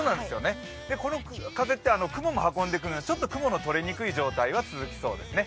この風って雲も運んでくるのでちょっと雲のとれにくい状態は続きそうですね。